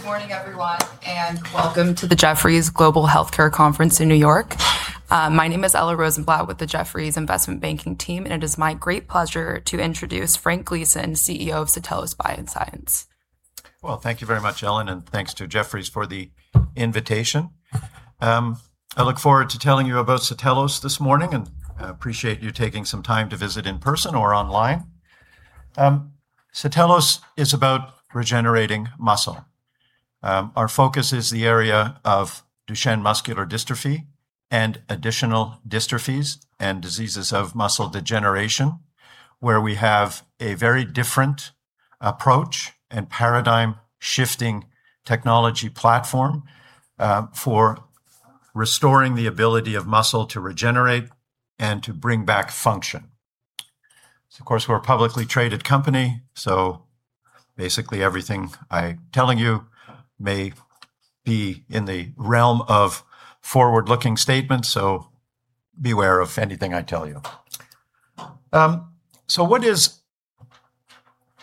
Good morning everyone, and welcome to the Jefferies Global Healthcare Conference in New York. My name is Ella Rosenblatt with the Jefferies Investment Banking team, and it is my great pleasure to introduce Frank Gleeson, CEO of Satellos Bioscience. Well, thank you very much, Ella, and thanks to Jefferies for the invitation. I look forward to telling you about Satellos this morning and appreciate you taking some time to visit in person or online. Satellos is about regenerating muscle. Our focus is the area of Duchenne muscular dystrophy and additional dystrophies and diseases of muscle degeneration, where we have a very different approach and paradigm-shifting technology platform for restoring the ability of muscle to regenerate and to bring back function. Of course, we're a publicly traded company, so basically everything I'm telling you may be in the realm of forward-looking statements, so beware of anything I tell you. What is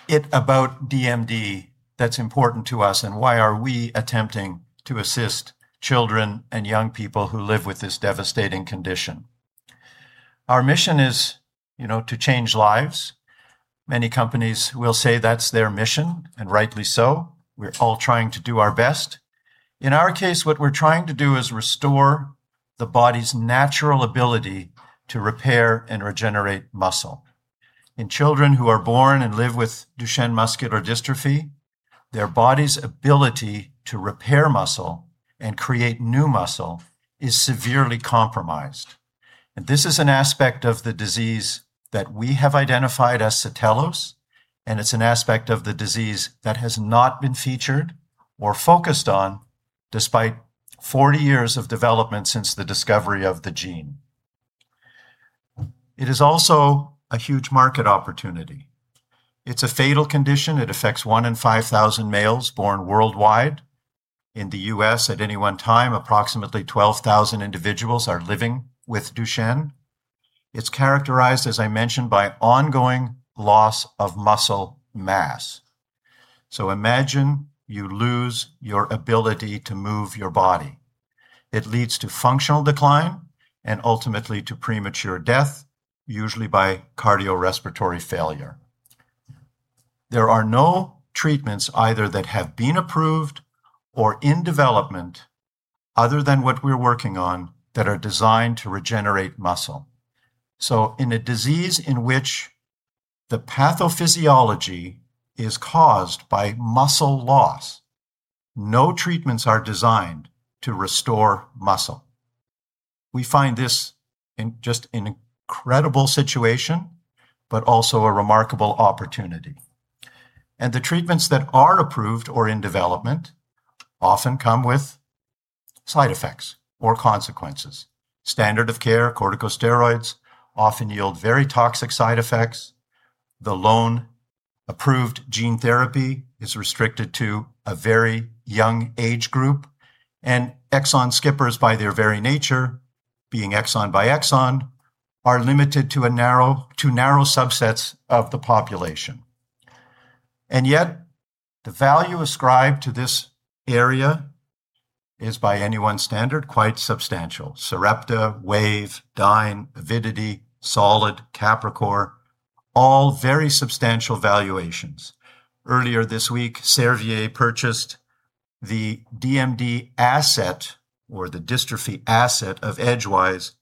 it about DMD that's important to us, and why are we attempting to assist children and young people who live with this devastating condition? Our mission is to change lives. Many companies will say that's their mission, and rightly so. We're all trying to do our best. In our case, what we're trying to do is restore the body's natural ability to repair and regenerate muscle. In children who are born and live with Duchenne muscular dystrophy, their body's ability to repair muscle and create new muscle is severely compromised. This is an aspect of the disease that we have identified as Satellos, and it's an aspect of the disease that has not been featured or focused on despite 40 years of development since the discovery of the gene. It is also a huge market opportunity. It's a fatal condition. It affects one in 5,000 males born worldwide. In the U.S., at any one time, approximately 12,000 individuals are living with Duchenne. It's characterized, as I mentioned, by ongoing loss of muscle mass. Imagine you lose your ability to move your body. It leads to functional decline and ultimately to premature death, usually by cardiorespiratory failure. There are no treatments either that have been approved or in development other than what we're working on that are designed to regenerate muscle. In a disease in which the pathophysiology is caused by muscle loss, no treatments are designed to restore muscle. We find this in just an incredible situation, but also a remarkable opportunity. The treatments that are approved or in development often come with side effects or consequences. Standard of care corticosteroids often yield very toxic side effects. The lone approved gene therapy is restricted to a very young age group, and exon skippers, by their very nature, being exon-by-exon, are limited to narrow subsets of the population. Yet the value ascribed to this area is by any one standard, quite substantial. Sarepta, Wave, Dyne, Avidity, Solid, Capricor, all very substantial valuations. Earlier this week, Servier purchased the DMD asset or the dystrophy asset of Edgewise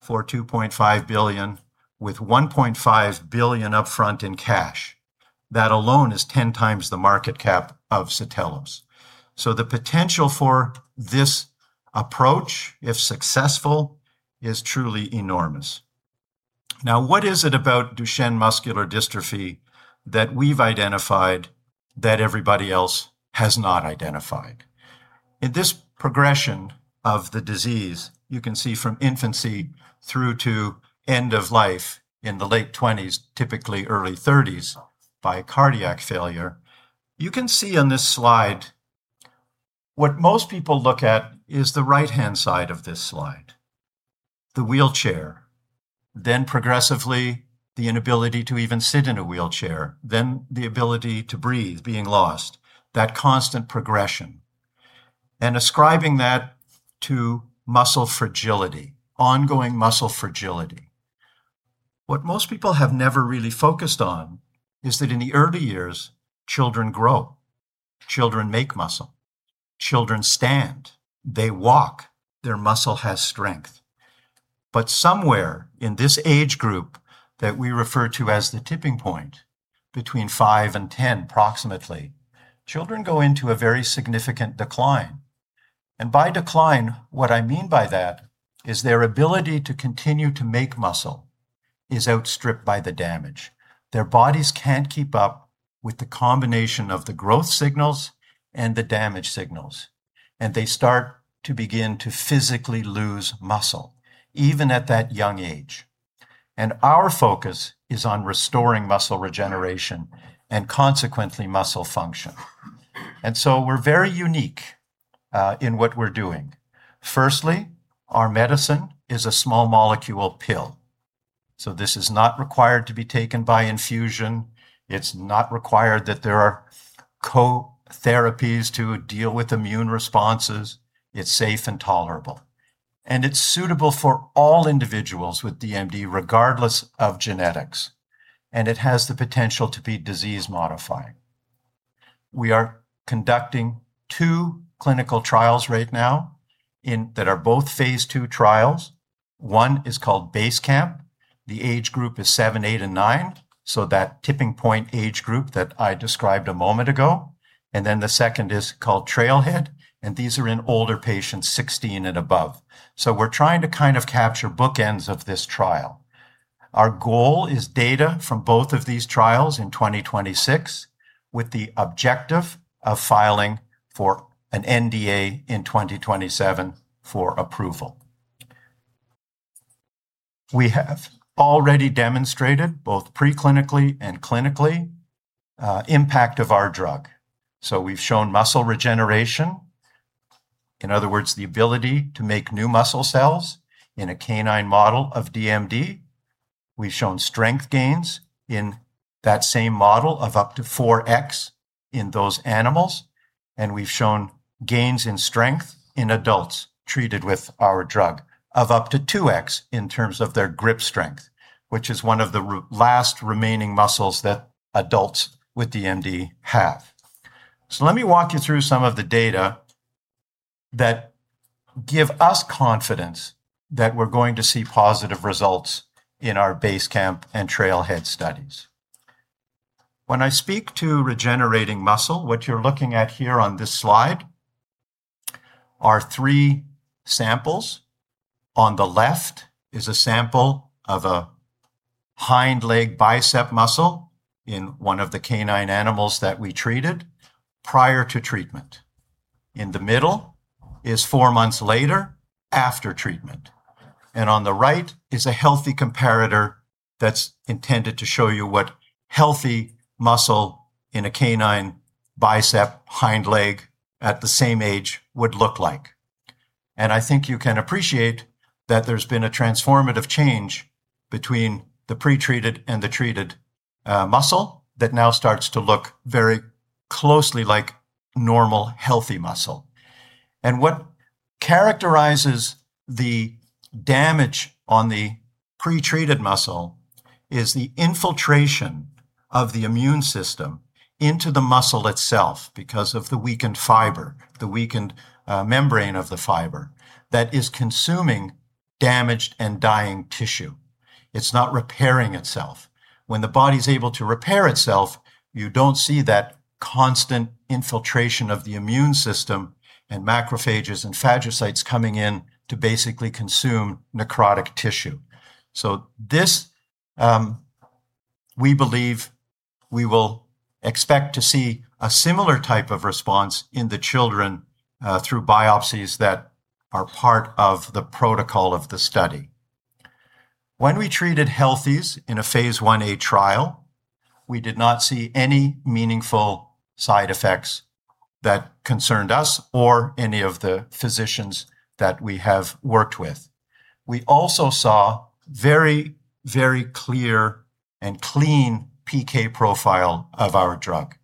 for $2.5 billion with $1.5 billion upfront in cash. That alone is 10x the market cap of Satellos. The potential for this approach, if successful, is truly enormous. What is it about Duchenne muscular dystrophy that we've identified that everybody else has not identified? In this progression of the disease, you can see from infancy through to end of life in the late 20s, typically early 30s, by cardiac failure. You can see on this slide what most people look at is the right-hand side of this slide. The wheelchair, then progressively the inability to even sit in a wheelchair, then the ability to breathe being lost. That constant progression, and ascribing that to muscle fragility, ongoing muscle fragility. What most people have never really focused on is that in the early years, children grow, children make muscle, children stand, they walk, their muscle has strength. Somewhere in this age group that we refer to as the tipping point, between 5 and 10 approximately, children go into a very significant decline. By decline, what I mean by that is their ability to continue to make muscle is outstripped by the damage. Their bodies can't keep up with the combination of the growth signals and the damage signals, and they start to begin to physically lose muscle, even at that young age. Our focus is on restoring muscle regeneration and consequently muscle function. We're very unique in what we're doing. Firstly, our medicine is a small molecule pill. This is not required to be taken by infusion. It's not required that there are co-therapies to deal with immune responses. It's safe and tolerable, and it's suitable for all individuals with DMD, regardless of genetics, and it has the potential to be disease modifying. We are conducting two clinical trials right now that are both phase II trials. One is called BASECAMP. The age group is seven, eight, and nine, so that tipping point age group that I described a moment ago. The second is called TRAILHEAD, and these are in older patients, 16 and above. We're trying to capture bookends of this trial. Our goal is data from both of these trials in 2026 with the objective of filing for an NDA in 2027 for approval. We have already demonstrated both pre-clinically and clinically impact of our drug. We've shown muscle regeneration, in other words, the ability to make new muscle cells in a canine model of DMD. We've shown strength gains in that same model of up to 4x in those animals, and we've shown gains in strength in adults treated with our drug of up to 2x in terms of their grip strength, which is one of the last remaining muscles that adults with DMD have. Let me walk you through some of the data that give us confidence that we're going to see positive results in our BASECAMP and TRAILHEAD studies. When I speak to regenerating muscle, what you're looking at here on this slide are three samples. On the left is a sample of a hind leg bicep muscle in one of the canine animals that we treated prior to treatment. In the middle is four months later after treatment. On the right is a healthy comparator that's intended to show you what healthy muscle in a canine bicep hind leg at the same age would look like. I think you can appreciate that there's been a transformative change between the pre-treated and the treated muscle that now starts to look very closely like normal, healthy muscle. What characterizes the damage on the pre-treated muscle is the infiltration of the immune system into the muscle itself because of the weakened fiber, the weakened membrane of the fiber that is consuming damaged and dying tissue. It's not repairing itself. When the body's able to repair itself, you don't see that constant infiltration of the immune system and macrophages and phagocytes coming in to basically consume necrotic tissue. This, we believe we will expect to see a similar type of response in the children through biopsies that are part of the protocol of the study. When we treated healthies in a phase Ia trial, we did not see any meaningful side effects that concerned us or any of the physicians that we have worked with. We also saw very, very clear and clean PK profile of our drug.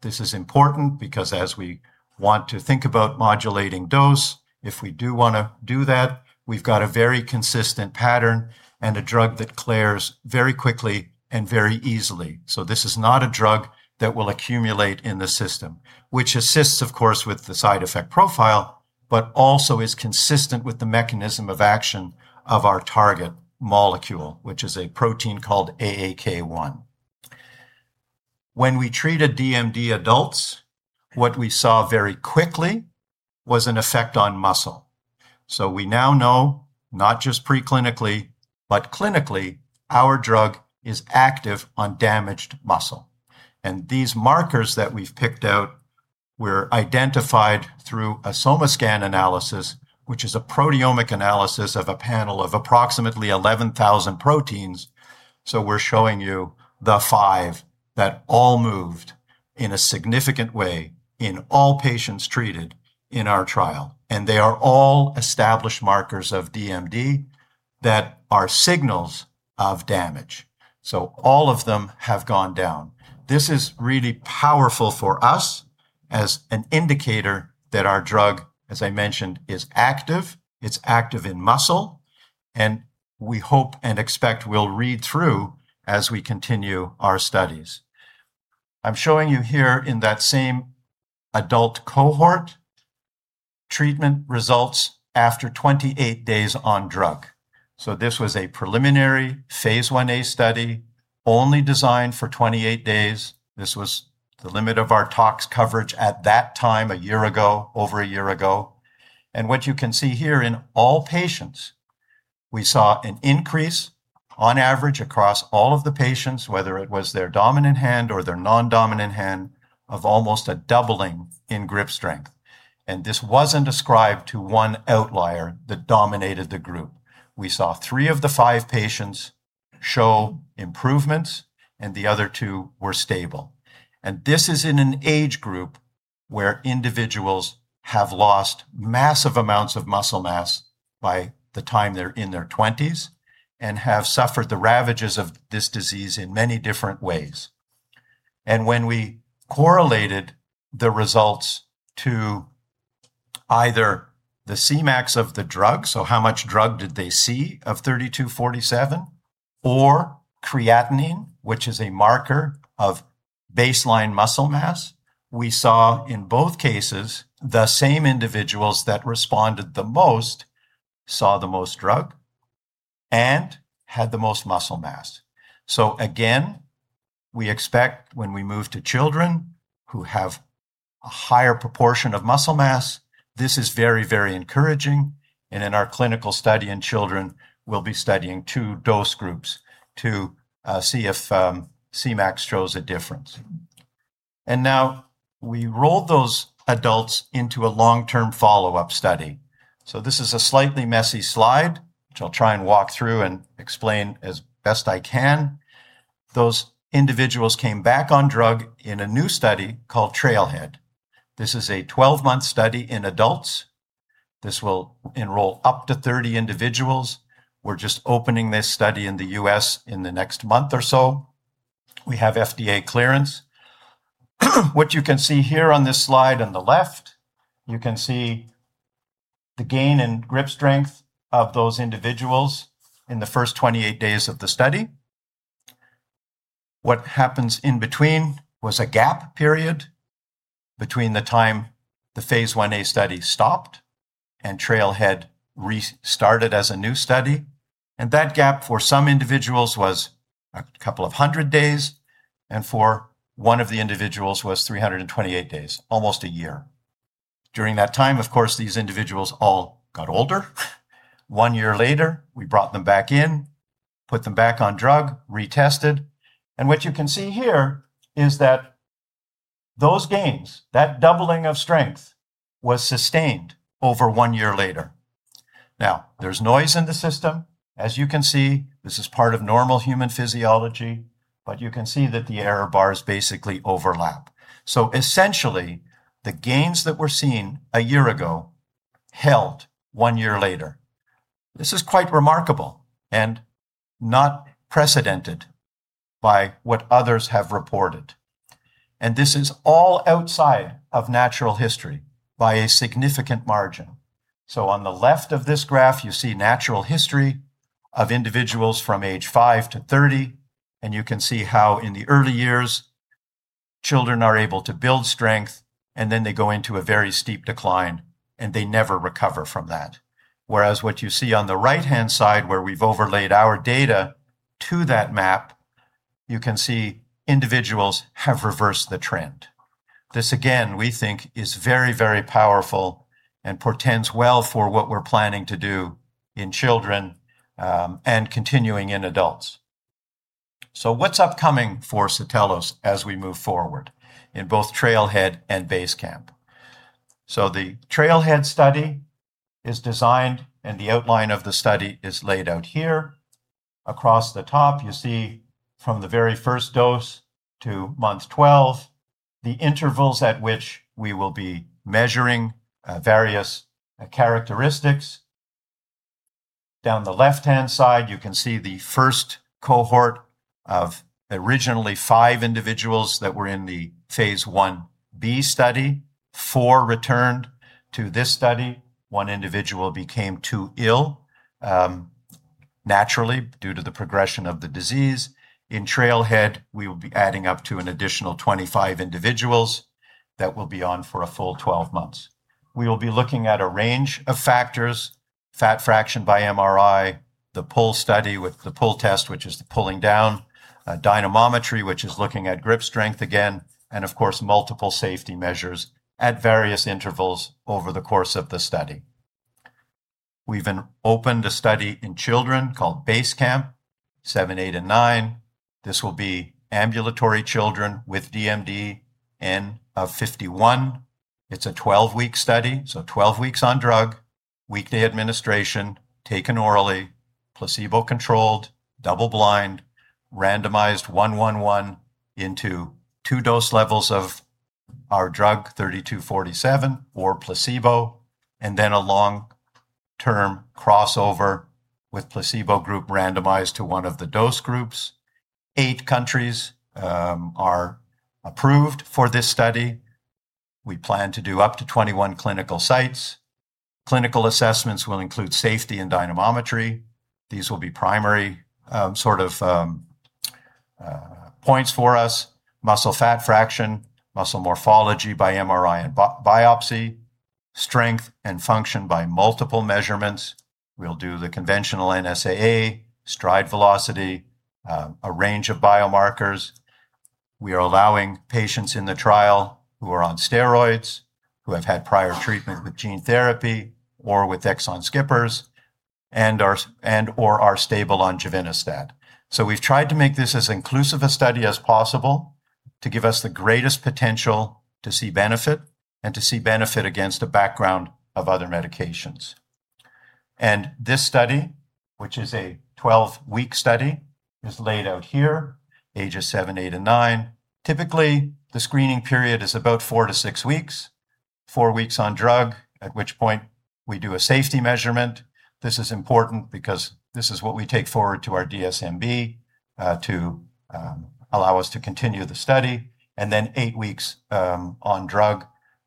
This is important because as we want to think about modulating dose, if we do want to do that, we've got a very consistent pattern and a drug that clears very quickly and very easily. This is not a drug that will accumulate in the system, which assists, of course, with the side effect profile, but also is consistent with the mechanism of action of our target molecule, which is a protein called AAK1. When we treated DMD adults, what we saw very quickly was an effect on muscle. We now know, not just pre-clinically, but clinically, our drug is active on damaged muscle. These markers that we've picked out were identified through a SomaScan analysis, which is a proteomic analysis of a panel of approximately 11,000 proteins. We're showing you the five that all moved in a significant way in all patients treated in our trial. They are all established markers of DMD that are signals of damage. All of them have gone down. This is really powerful for us as an indicator that our drug, as I mentioned, is active, it's active in muscle, and we hope and expect will read through as we continue our studies. I'm showing you here in that same adult cohort, treatment results after 28 days on drug. This was a preliminary phase I-A study only designed for 28 days. This was the limit of our tox coverage at that time, a year ago, over a year ago. What you can see here in all patients, we saw an increase on average across all of the patients, whether it was their dominant hand or their non-dominant hand, of almost a doubling in grip strength. This wasn't ascribed to one outlier that dominated the group. We saw three of the five patients show improvements, and the other two were stable. This is in an age group where individuals have lost massive amounts of muscle mass by the time they're in their 20s and have suffered the ravages of this disease in many different ways. When we correlated the results to either the Cmax of the drug, so how much drug did they see of 3247, or creatinine, which is a marker of baseline muscle mass, we saw in both cases, the same individuals that responded the most saw the most drug and had the most muscle mass. Again, we expect when we move to children who have a higher proportion of muscle mass, this is very encouraging. In our clinical study in children, we'll be studying two dose groups to see if Cmax shows a difference. Now we roll those adults into a long-term follow-up study. This is a slightly messy slide, which I'll try and walk through and explain as best I can. Those individuals came back on drug in a new study called TRAILHEAD. This is a 12-month study in adults. This will enroll up to 30 individuals. We're just opening this study in the U.S. in the next month or so. We have FDA clearance. What you can see here on this slide on the left, you can see the gain in grip strength of those individuals in the first 28 days of the study. What happens in between was a gap period between the time the phase I-A study stopped and TRAILHEAD restarted as a new study, and that gap for some individuals was a couple of hundred days, and for one of the individuals was 328 days, almost a year. During that time, of course, these individuals all got older. One year later, we brought them back in, put them back on drug, retested, and what you can see here is that those gains, that doubling of strength, was sustained over one year later. Now, there's noise in the system. As you can see, this is part of normal human physiology, but you can see that the error bars basically overlap. Essentially, the gains that were seen a year ago held one year later. This is quite remarkable and not precedented by what others have reported. This is all outside of natural history by a significant margin. On the left of this graph, you see natural history of individuals from age five to 30, and you can see how in the early years, children are able to build strength, and then they go into a very steep decline, and they never recover from that. Whereas what you see on the right-hand side, where we've overlaid our data to that map, you can see individuals have reversed the trend. This, again, we think is very, very powerful and portends well for what we're planning to do in children, and continuing in adults. What's upcoming for Satellos as we move forward in both TRAILHEAD and BASECAMP? The TRAILHEAD study is designed, and the outline of the study is laid out here. Across the top, you see from the very first dose to month 12, the intervals at which we will be measuring various characteristics. Down the left-hand side, you can see the first cohort of originally five individuals that were in the phase I-B study. Four returned to this study. One individual became too ill, naturally, due to the progression of the disease. In TRAILHEAD, we will be adding up to an additional 25 individuals that will be on for a full 12 months. We will be looking at a range of factors, fat fraction by MRI, the PUL study with the PUL test, which is the pulling down, dynamometry, which is looking at grip strength again, and of course, multiple safety measures at various intervals over the course of the study. We've opened a study in children called BASECAMP 7, 8, and 9. This will be ambulatory children with DMD, N of 51. It's a 12-week study, so 12 weeks on drug, weekly administration, taken orally, placebo-controlled, double-blind, randomized 1:1:1 into two dose levels of our drug 3247 or placebo, and then a long-term crossover with placebo group randomized to one of the dose groups. Eight countries are approved for this study. We plan to do up to 21 clinical sites. Clinical assessments will include safety and dynamometry. These will be primary sort of points for us. Muscle fat fraction, muscle morphology by MRI and biopsy, strength and function by multiple measurements. We'll do the conventional NSAA, stride velocity, a range of biomarkers. We are allowing patients in the trial who are on steroids, who have had prior treatment with gene therapy or with exon skippers, and/or are stable on givinostat. We've tried to make this as inclusive a study as possible to give us the greatest potential to see benefit and to see benefit against a background of other medications. This study, which is a 12-week study, is laid out here, ages seven, eight, and nine. Typically, the screening period is about four to six weeks. Four weeks on drug, at which point we do a safety measurement. This is important because this is what we take forward to our DSMB to allow us to continue the study, and then eight weeks on drug.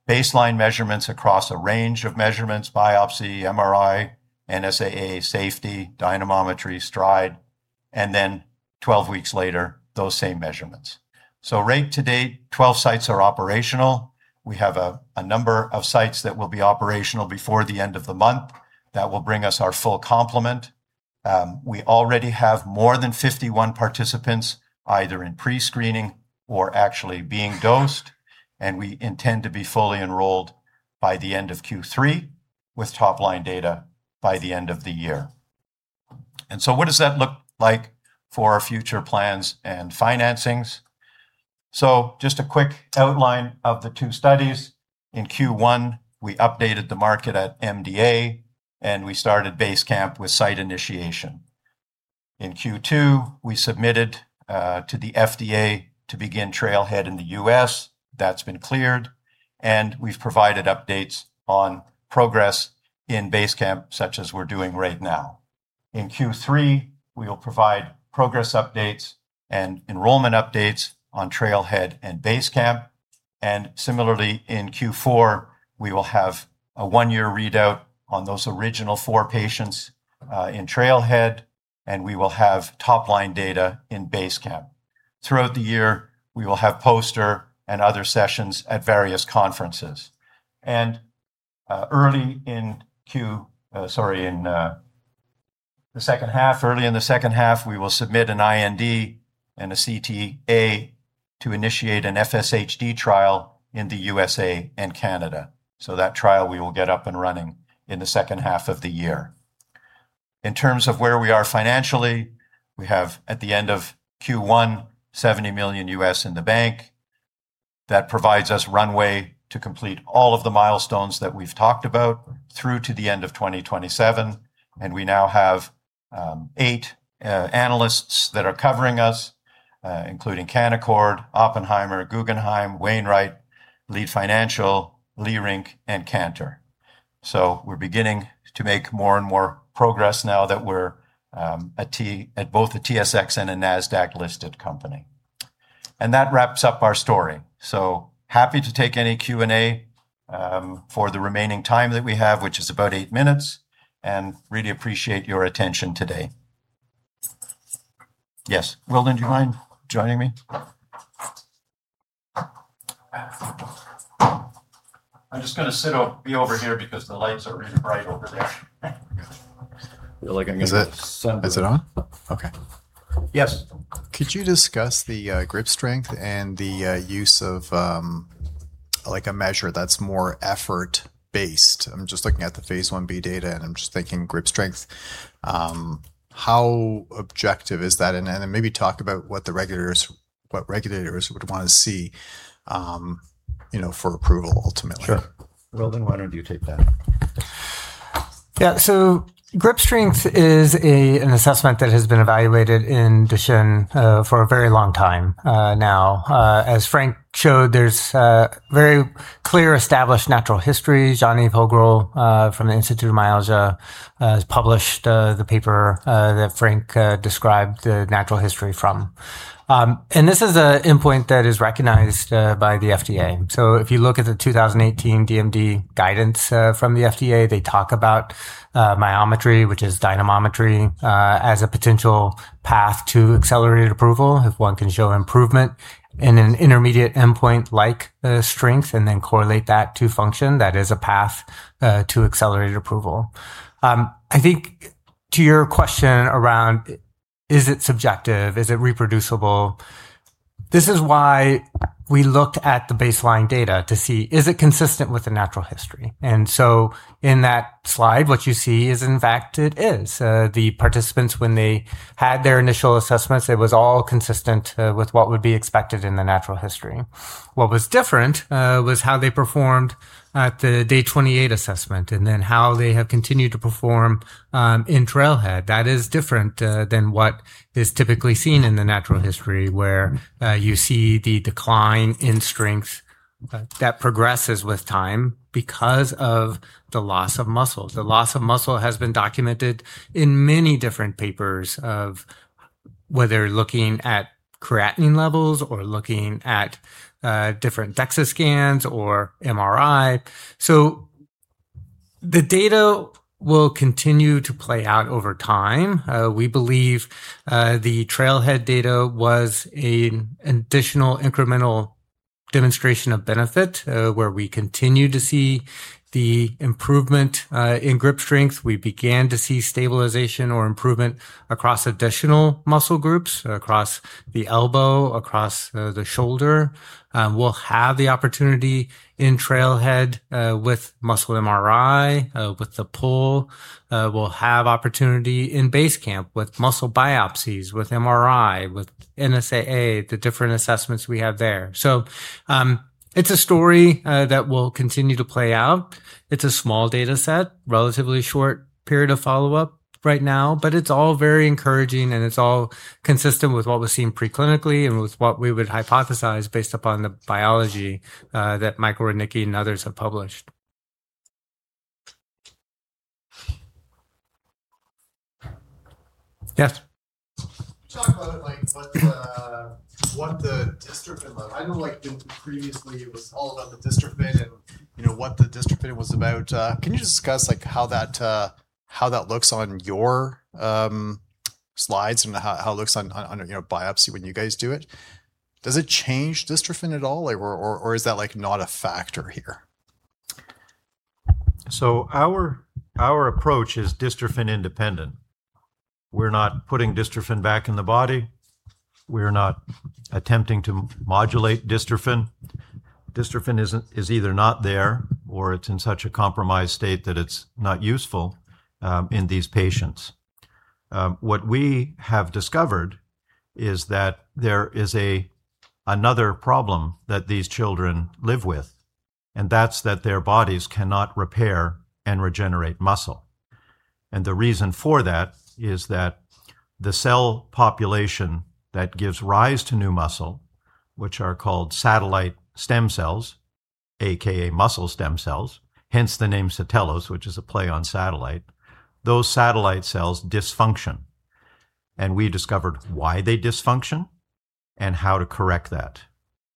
Baseline measurements across a range of measurements, biopsy, MRI, NSAA, safety, dynamometry, stride, and then 12 weeks later, those same measurements. Rate-to-date, 12 sites are operational. We have a number of sites that will be operational before the end of the month. That will bring us our full complement. We already have more than 51 participants, either in pre-screening or actually being dosed, and we intend to be fully enrolled by the end of Q3, with top-line data by the end of the year. What does that look like for our future plans and financings? Just a quick outline of the two studies. In Q1, we updated the market at MDA, and we started BASECAMP with site initiation. In Q2, we submitted to the FDA to begin TRAILHEAD in the U.S. That's been cleared, and we've provided updates on progress in BASECAMP, such as we're doing right now. In Q3, we will provide progress updates and enrollment updates on TRAILHEAD and BASECAMP. Similarly, in Q4, we will have a one-year readout on those original four patients in Trailhead, and we will have top-line data in Basecamp. Throughout the year, we will have poster and other sessions at various conferences. Early in the second half, we will submit an IND and a CTA to initiate an FSHD trial in the U.S. and Canada. That trial we will get up and running in the second half of the year. In terms of where we are financially, we have, at the end of Q1, $70 million in the bank. That provides us runway to complete all of the milestones that we've talked about through to the end of 2027. We now have eight analysts that are covering us, including Canaccord, Oppenheimer, Guggenheim, Wainwright, Leede Financial, Leerink, and Cantor. We're beginning to make more and more progress now that we're both a TSX and a Nasdaq-listed company. That wraps up our story. Happy to take any Q&A for the remaining time that we have, which is about eight minutes, and really appreciate your attention today. Yes. Wildon, do you mind joining me? I'm just going to sit over here because the lights are really bright over there. Feel like I'm going to go blind. Is it on? Okay. Yes. Could you discuss the grip strength and the use of a measure that's more effort-based? I'm just looking at the phase I-B data, and I'm just thinking grip strength. How objective is that? maybe talk about what regulators would want to see for approval ultimately. Sure. Wildon, why don't you take that? Yeah. grip strength is an assessment that has been evaluated in Duchenne for a very long time now. As Frank showed, there's a very clear established natural history. Jean-Yves Hogrel, from the Institute of Myology, has published the paper that Frank described the natural history from. This is an endpoint that is recognized by the FDA. if you look at the 2018 DMD guidance from the FDA, they talk about myometry, which is dynamometry, as a potential path to accelerated approval. If one can show improvement in an intermediate endpoint like strength and then correlate that to function, that is a path to accelerated approval. I think to your question around is it subjective? Is it reproducible? This is why we looked at the baseline data to see is it consistent with the natural history? in that slide, what you see is, in fact, it is. The participants, when they had their initial assessments, it was all consistent with what would be expected in the natural history. What was different was how they performed at the day 28 assessment, and then how they have continued to perform in TRAILHEAD. That is different than what is typically seen in the natural history, where you see the decline in strength that progresses with time because of the loss of muscle. The loss of muscle has been documented in many different papers of whether looking at creatinine levels or looking at different DEXA scans or MRI. The data will continue to play out over time. We believe the TRAILHEAD data was an additional incremental demonstration of benefit, where we continue to see the improvement in grip strength. We began to see stabilization or improvement across additional muscle groups, across the elbow, across the shoulder. We'll have the opportunity in TRAILHEAD with muscle MRI, with the PUL. We'll have opportunity in BASECAMP with muscle biopsies, with MRI, with NSAA, the different assessments we have there. It's a story that will continue to play out. It's a small data set, relatively short period of follow-up Right now, but it's all very encouraging, and it's all consistent with what was seen pre-clinically and with what we would hypothesize based upon the biology that Michael Rudnicki and others have published. Yes. Can you talk about what the dystrophin level. I know previously it was all about the dystrophin and what the dystrophin was about. Can you just discuss how that looks on your slides and how it looks on a biopsy when you guys do it? Does it change dystrophin at all, or is that not a factor here? Our approach is dystrophin independent. We're not putting dystrophin back in the body. We're not attempting to modulate dystrophin. Dystrophin is either not there or it's in such a compromised state that it's not useful in these patients. What we have discovered is that there is another problem that these children live with, and that's that their bodies cannot repair and regenerate muscle. The reason for that is that the cell population that gives rise to new muscle, which are called satellite stem cells, AKA muscle stem cells, hence the name Satellos, which is a play on satellite. Those satellite cells dysfunction. We discovered why they dysfunction and how to correct that.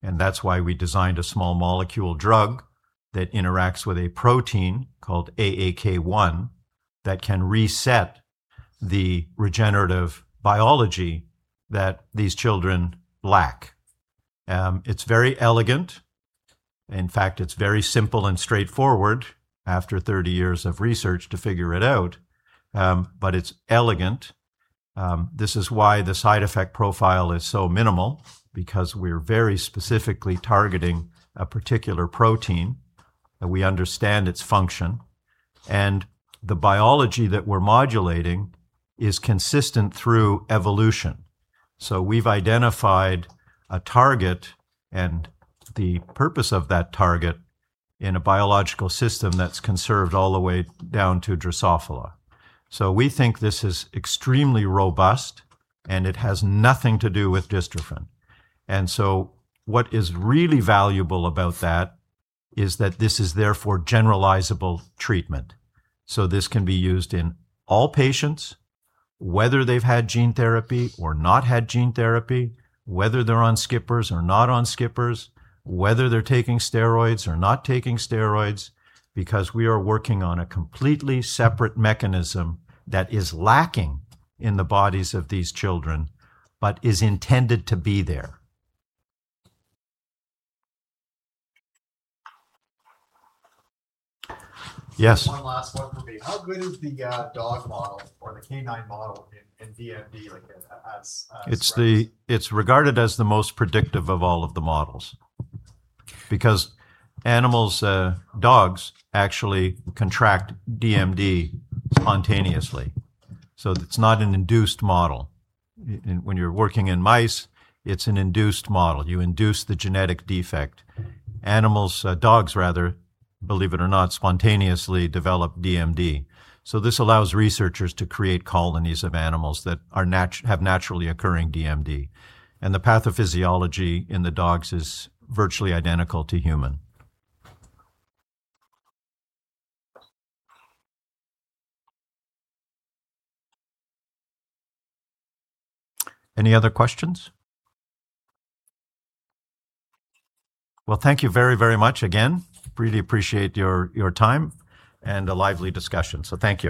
That's why we designed a small molecule drug that interacts with a protein called AAK1, that can reset the regenerative biology that these children lack. It's very elegant. In fact, it's very simple and straightforward after 30 years of research to figure it out, but it's elegant. This is why the side effect profile is so minimal because we're very specifically targeting a particular protein, and we understand its function, and the biology that we're modulating is consistent through evolution. We've identified a target and the purpose of that target in a biological system that's conserved all the way down to Drosophila. We think this is extremely robust, and it has nothing to do with dystrophin. What is really valuable about that is that this is therefore generalizable treatment. This can be used in all patients, whether they've had gene therapy or not had gene therapy, whether they're on skippers or not on skippers, whether they're taking steroids or not taking steroids, because we are working on a completely separate mechanism that is lacking in the bodies of these children, but is intended to be there. Yes. One last one from me. How good is the dog model or the canine model in DMD like as a- It's regarded as the most predictive of all of the models because animals, dogs, actually contract DMD spontaneously. It's not an induced model. When you're working in mice, it's an induced model. You induce the genetic defect. Animals, dogs rather, believe it or not, spontaneously develop DMD. This allows researchers to create colonies of animals that have naturally occurring DMD, and the pathophysiology in the dogs is virtually identical to human. Any other questions? Well, thank you very, very much again. Really appreciate your time and a lively discussion. Thank you